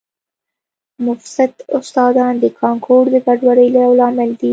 مفسد استادان د کانکور د ګډوډۍ یو لامل دي